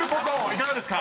いかがですか？］